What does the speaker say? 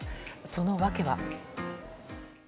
その訳は。